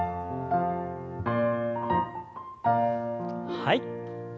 はい。